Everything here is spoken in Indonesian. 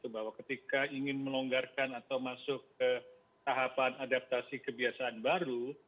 bahwa ketika ingin melonggarkan atau masuk ke tahapan adaptasi kebiasaan baru